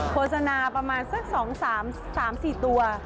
โฆษณาประมาณสัก๒๓๔ตัว